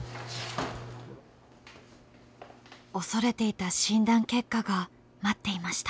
恐れていた診断結果が待っていました。